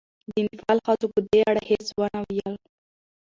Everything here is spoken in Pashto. د نېپال ښځو په دې اړه هېڅ ونه ویل.